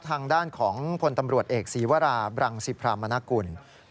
ทางด้านของพลตำรวจเอกศีวราบรังสิพรามณกุล